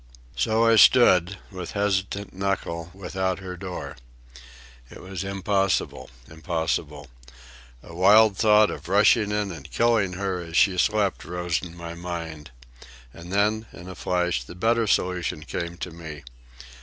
So I stood, with hesitant knuckle, without her door. It was impossible, impossible. A wild thought of rushing in and killing her as she slept rose in my mind. And then, in a flash, the better solution came to me.